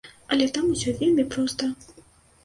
Але там усё вельмі проста.